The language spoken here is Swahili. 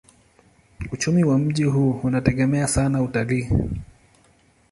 Uchumi wa mji huu unategemea sana utalii.